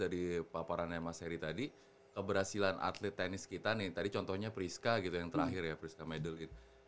jadi kalau saya tangkap nih mas dari paparan mas heri tadi keberhasilan atlet tenis kita nih tadi contohnya priska gitu yang terakhir ya priska medel gitu